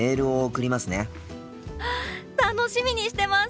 楽しみにしてます！